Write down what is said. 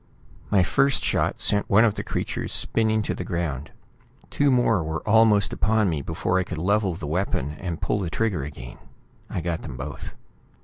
My first shot sent one of the creatures spinning to the ground. Two more were almost upon me before I could level the weapon and pull the trigger again. I got them both.